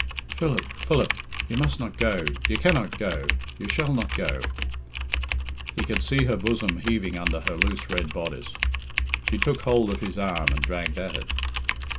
"Philip, Philip, you must not go you cannot go you shall not go!" He could see her bosom heaving under her loose red bodice. She took hold of his arm and dragged at it.